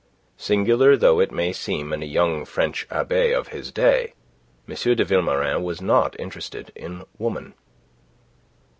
Singular though it may seem in a young French abbe of his day, M. de Vilmorin was not interested in Woman.